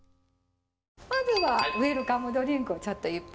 まずはウェルカムドリンクをちょっと一杯。